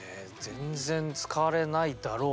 全然使われないだろう